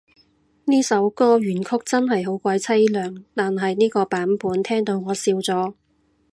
呢首歌原曲真係好鬼淒涼，但係呢個版本聽到我笑咗